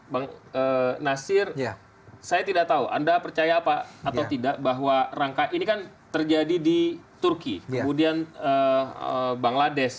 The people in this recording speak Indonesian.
bang nasir saya tidak tahu anda percaya apa atau tidak bahwa rangka ini kan terjadi di turki kemudian bangladesh